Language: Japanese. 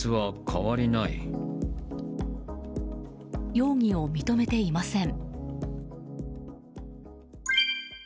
容疑を認めていません。